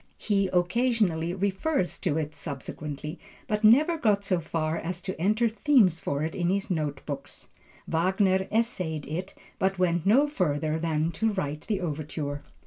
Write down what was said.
He occasionally refers to it subsequently, but never got so far as to enter themes for it in his note books. Wagner essayed it, but went no further than to write the overture.